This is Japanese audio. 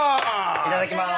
いただきます！